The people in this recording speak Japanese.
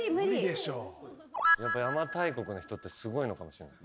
やっぱ邪馬台国の人ってすごいのかもしれない。